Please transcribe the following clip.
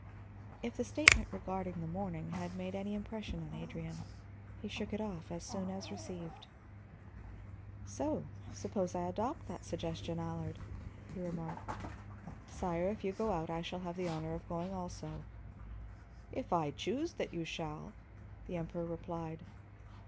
If the statement regarding the morning had made any impression on Adrian, he shook it off as soon as received. "So; suppose I adopt that suggestion, Allard?" he remarked. "Sire, if you go out I shall have the honor of going also." "If I choose that you shall," the Emperor replied.